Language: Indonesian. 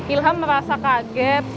ilham merasa kaget